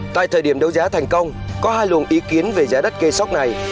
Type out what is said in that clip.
tại thời điểm đấu giá thành công có hai luồng ý kiến về giá đất gây sóc này